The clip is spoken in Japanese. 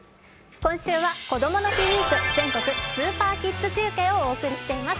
今週はこどもの日ウィーク、全国スーパーキッズ中継をお送りしています。